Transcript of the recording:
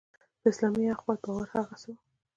په اسلامي اخوت باور هغه څه وو.